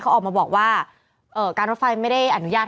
เป็นการกระตุ้นการไหลเวียนของเลือด